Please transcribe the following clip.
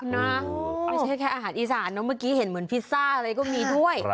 ไม่ใช่แค่อาหารอีสานเนอะเมื่อกี้เห็นเหมือนพิซซ่าอะไรก็มีด้วย